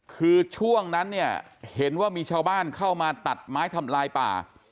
คือช่วงนั้นเนี่ยเห็นว่ามีชาวบ้านเข้ามาตัดไม้ทำลายป่า